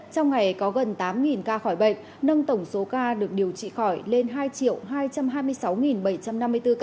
trong ngày có gần tám ca khỏi bệnh nâng tổng số ca được điều trị khỏi lên hai hai trăm hai mươi sáu bảy trăm năm mươi bốn ca